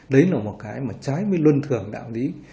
đấy là một cái mà trái với luân thường đạo lý